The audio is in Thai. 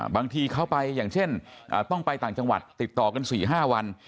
บางทีเขาไปอย่างเช่นต้องไปต่างจังหวัดติดต่อกัน๔๕วัน